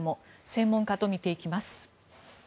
専門家と見ていきます。